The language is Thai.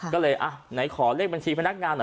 ก็เลยอ่ะไหนขอเลขบัญชีพนักงานหน่อย